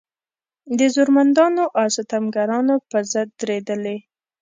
د زورمندانو او ستمګرانو په ضد درېدلې.